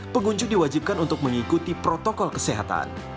pengunjung diwajibkan untuk mengikuti protokol kesehatan